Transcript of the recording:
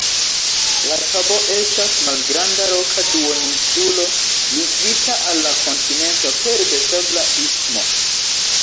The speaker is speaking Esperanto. La kabo estas malgranda roka duoninsulo ligita al la kontinento pere de sabla istmo.